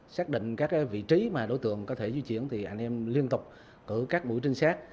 xác định các vị trí mà đối tượng có thể di chuyển thì anh em liên tục cử các mũi trinh sát